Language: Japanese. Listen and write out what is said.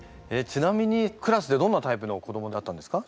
ちなみにクラスでどんなタイプの子どもだったんですか？